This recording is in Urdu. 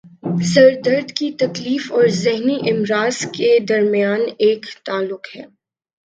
سر درد کی تکلیف اور ذہنی امراض کے درمیان ایک تعلق ہے